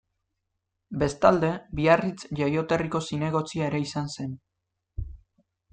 Bestalde, Biarritz jaioterriko zinegotzia ere izan zen.